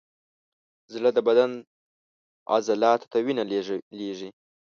زړه د بدن عضلاتو ته وینه لیږي.